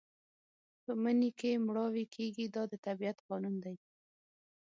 په مني کې مړاوي کېږي دا د طبیعت قانون دی.